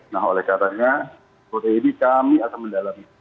nah oleh karanya kode ini kami akan mendalami